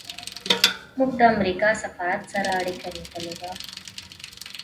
موږ د امریکا سفارت سره اړیکه نیولې وه.